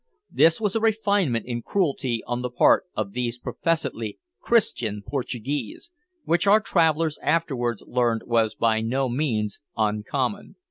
This was a refinement in cruelty on the part of these professedly Christian Portuguese, which our travellers afterwards learned was by no means uncommon.